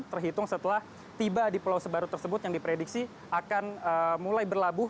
terhitung setelah tiba di pulau sebaru tersebut yang diprediksi akan mulai berlabuh